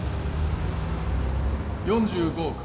４５億